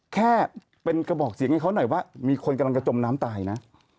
แค่เป็นกระบอกเสียงให้เขาหน่อยว่ามีคนกำลังจะจมน้ำตายนะ